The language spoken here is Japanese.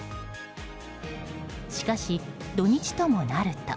しかし、土日ともなると。